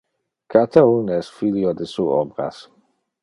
Cata un es filio de su obras.